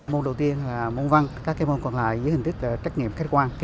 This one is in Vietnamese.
môn đầu tiên là môn văn các môn còn lại dưới hình thức trách nhiệm khách quan